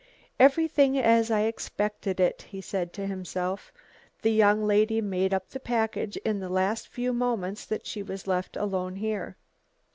"Everything as I expected it," he said to himself. "The young lady made up the package in the last few moments that she was left alone here."